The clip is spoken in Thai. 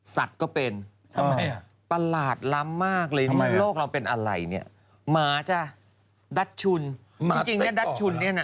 สัตว์ก็เป็นประหลาดล้ำมากเลยโลกเราเป็นอะไรเนี่ยหมาจ้ะดัชชุน